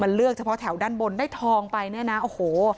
มันเลือกเฉพาะแถวด้านบนได้ทองไปเนี่ยนะโอ้โห